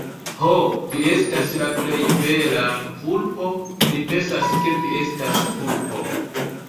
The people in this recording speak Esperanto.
Ho, vi estas la plej bela... vulpo, mi pensas, ke vi estas vulpo.